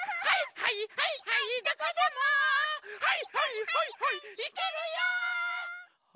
「はいはいはいはい」